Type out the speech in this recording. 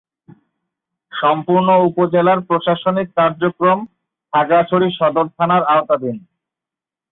সম্পূর্ণ উপজেলার প্রশাসনিক কার্যক্রম খাগড়াছড়ি সদর থানার আওতাধীন।